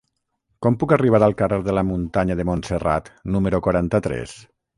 Com puc arribar al carrer de la Muntanya de Montserrat número quaranta-tres?